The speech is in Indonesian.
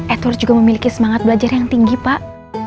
ether juga memiliki semangat belajar yang tinggi pak